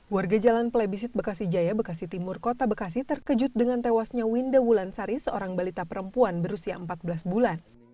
warga jalan plebisit bekasi jaya bekasi timur kota bekasi terkejut dengan tewasnya winda wulansari seorang balita perempuan berusia empat belas bulan